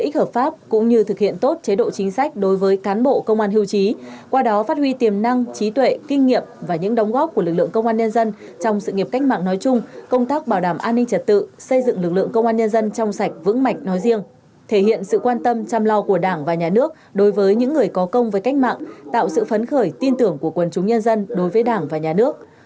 trí tuệ kinh nghiệm và những đóng góp của lực lượng công an nhân dân trong sự nghiệp cách mạng nói chung công tác bảo đảm an ninh trật tự xây dựng lực lượng công an nhân dân trong sạch vững mạnh nói riêng thể hiện sự quan tâm chăm lo của đảng và nhà nước đối với những người có công với cách mạng tạo sự phấn khởi tin tưởng của quần chúng nhân dân đối với đảng và nhà nước